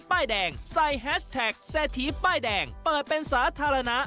ใส่แฮชแท็กเท่าไลการเสถีป้ายแดงเปิดเป็นสาธารณะ